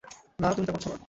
না, তুমি তা করছ না।